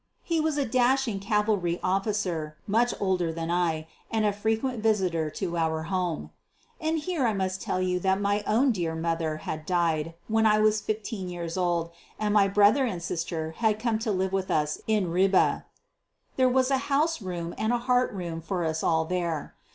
He was a dashing cavalry officer, much older than I, and a frequent visitor at our home. And here I must tell that my own dear mother had died when I was fifteen years old, and my brother and sister had come to live with us in Ribe. There was house room and heart room for us all there.